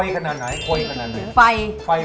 ใช่